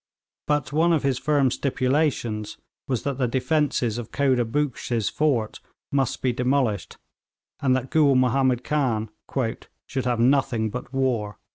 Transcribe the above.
But one of his firm stipulations was that the defences of Khoda Buxsh's fort must be demolished, and that Gool Mahomed Khan 'should have nothing but war.'